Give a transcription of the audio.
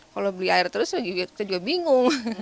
kalau beli air terus kita juga bingung